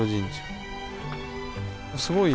すごい。